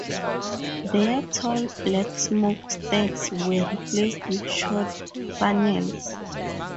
Their tall black smoke stacks were replaced with short funnels.